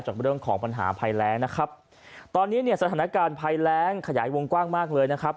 จากเรื่องของปัญหาภัยแรงนะครับตอนนี้เนี่ยสถานการณ์ภัยแรงขยายวงกว้างมากเลยนะครับ